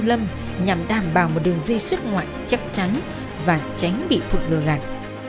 đại sư lâm nhằm đảm bảo một đường di xuất ngoại chắc chắn và tránh bị phụ lừa gạt